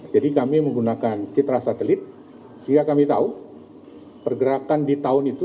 jadi kami menggunakan citra satelit sehingga kami tahu pergerakan di tahun itu